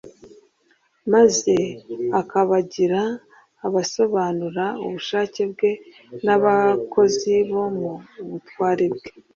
maze akabagira abasobanura ubushake bwe n'abakozi bo mu butware bwe.